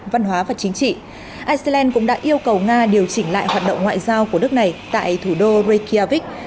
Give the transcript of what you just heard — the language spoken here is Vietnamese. đại sứ quán này cũng đã yêu cầu nga điều chỉnh lại hoạt động ngoại giao của nước này tại thủ đô reykjavik